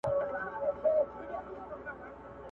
کولای سي چي ددې دوو هويتونو څخه